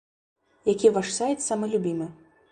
Які ваш сайт самы любімы?